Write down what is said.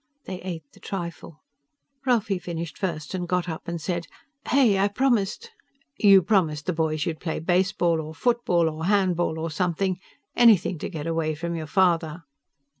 They ate the trifle. Ralphie finished first and got up and said, "Hey, I promised " "You promised the boys you'd play baseball or football or handball or something; anything to get away from your father."